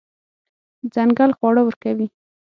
ځنګل خواړه ورکوي.